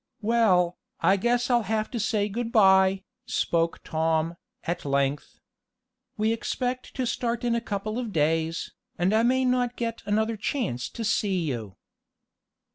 "Well, I guess I'll have to say good by," spoke Tom, at length. "We expect to start in a couple of days, and I may not get another chance to see you."